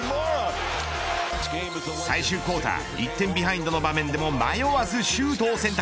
最終クオーター１点ビハインドの場面でも迷わずシュートを選択。